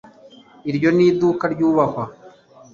iyo ni iduka ryubahwa